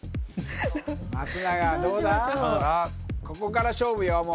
ここから勝負よ